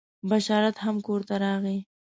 بشارت هم کور ته راغی.